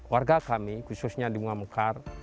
warga kami khususnya di bunga mekar